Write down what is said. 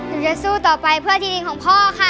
จะสู้ต่อไปเพื่อที่ดินของพ่อค่ะ